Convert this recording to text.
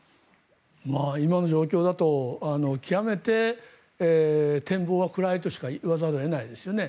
今の状況だと極めて展望は暗いとしか言わざるを得ないですよね。